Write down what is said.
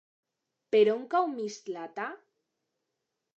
Per on cau Mislata?